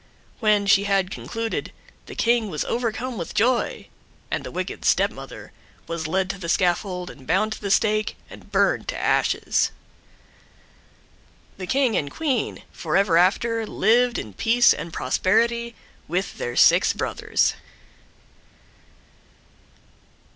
When she had concluded, the King was overcome with joy, and the wicked stepmother was led to the scaffold and bound to the stake and burned to ashes. The King and the Queen forever after lived in peace and prosperity with their six brothers.